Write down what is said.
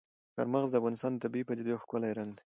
چار مغز د افغانستان د طبیعي پدیدو یو ښکلی رنګ دی.